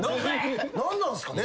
何なんすかね